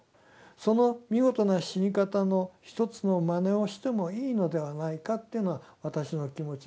その見事な死に方の一つのまねをしてもいいのではないかというのが私の気持ちで。